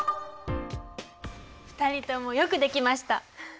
２人ともよくできました。